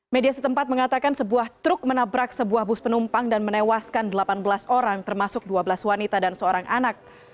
media setempat mengatakan sebuah truk menabrak sebuah bus penumpang dan menewaskan delapan belas orang termasuk dua belas wanita dan seorang anak